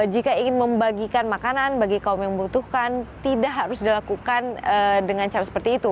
jika ingin membagikan makanan bagi kaum yang membutuhkan tidak harus dilakukan dengan cara seperti itu